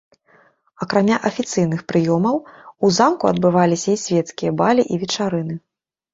Акрамя афіцыйных прыёмаў у замку адбываліся і свецкія балі і вечарыны.